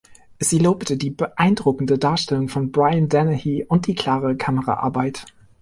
Sie lobte die „"beeindruckende"“ Darstellung von Brian Dennehy und die „"klare"“ Kameraarbeit.